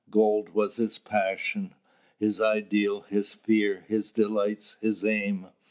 Gold was his passion, his ideal, his fear, his delight, his aim.